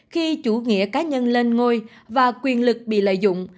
khi chủ nghĩa cá nhân lên ngôi và quyền lực bị lợi dụng